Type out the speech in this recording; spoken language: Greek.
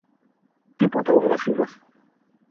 Τίποτα ο Βρασίδας